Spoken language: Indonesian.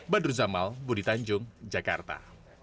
badru zamal budi tanjung jakarta